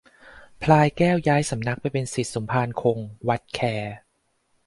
พลายแก้วย้ายสำนักไปเป็นศิษย์สมภารคง วัดแค